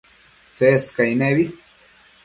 Tsescaic nebi